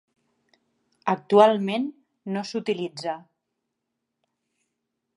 Actualment no s'utilitza.